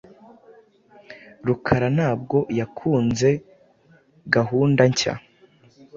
Rukara ntabwo yakunze gahunda nshya.